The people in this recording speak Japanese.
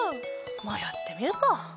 まぁやってみるか。